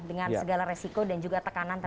dengan segala resiko dan juga tekanan terhadap bapak